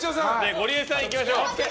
ゴリエさん、いきましょう。